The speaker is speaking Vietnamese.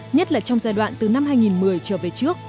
nhất là trong giai đoạn từ năm hai nghìn một mươi trở về trước